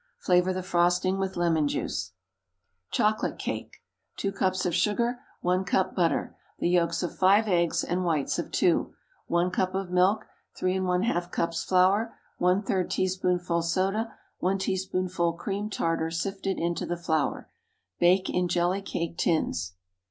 Flavor the frosting with lemon juice. CHOCOLATE CAKE. ✠ 2 cups of sugar. 1 cup butter. The yolks of five eggs and whites of two. 1 cup of milk. 3½ cups flour. ⅓ teaspoonful soda. 1 teaspoonful cream tartar, sifted into the flour. Bake in jelly cake tins.